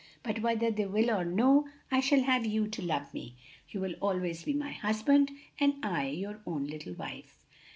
But whether they will or no, I shall have you to love me! You will always be my husband and I your own little wife!"